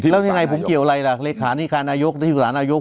แล้วยังไงผมเกี่ยวอะไรล่ะเลขานิการนายกที่ปรึกษานายก